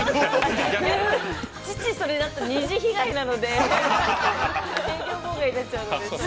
父、それだと二次被害なので、営業妨害になっちゃうので。